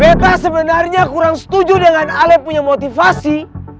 peta sebenarnya kurang setuju dengan ale punya motivasi